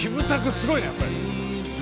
すごいねやっぱり。